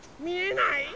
みえない？